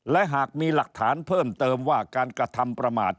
และหากมีหลักฐานเพิ่มเติมว่าการกระทำประมาท